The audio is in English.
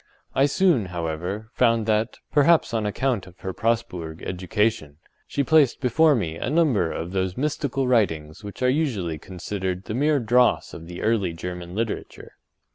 I soon, however, found that, perhaps on account of her Presburg education, she placed before me a number of those mystical writings which are usually considered the mere dross of the early German literature.